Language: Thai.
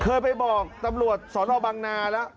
เคยไปบอกตำรวจสนบังนาแล้ว